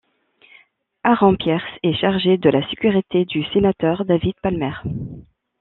Aaron Pierce est chargé de la sécurité du sénateur David Palmer.